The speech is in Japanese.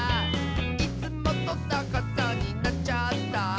「いつもとさかさになっちゃった」